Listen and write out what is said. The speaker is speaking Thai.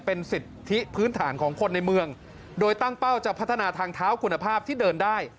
เป็นสิทธิพื้นฐานของคนในเมืองโดยตั้งเป้าจะพัฒนาทางเท้าคุณภาพที่เดินได้